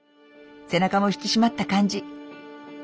背中も引き締まった感じ。